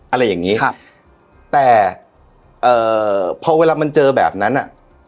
อะไรอย่างงี้ครับแต่เอ่อพอเวลามันเจอแบบนั้นอ่ะ